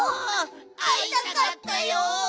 あいたかったよ！